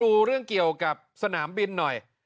ดูเรื่องเกี่ยวกับสนามบินหน่อย